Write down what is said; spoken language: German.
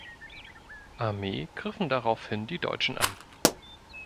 Armee griffen daraufhin die Deutschen an.